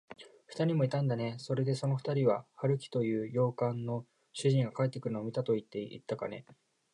ふたりもいたんだね。それで、そのふたりは、春木という洋館の主人が帰ってくるのを見たといっていたかね。